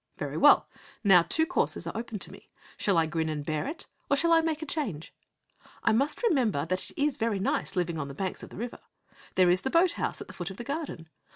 Very well. Now two courses are open to me. Shall I grin and bear it? or shall I make a change? I must remember that it is very nice living on the banks of the river. There is the boat house at the foot of the garden.